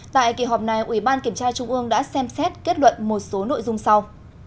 tại kỳ họp này ủy ban kiểm tra trung ương đã xem xét kết luận một số nội dung sau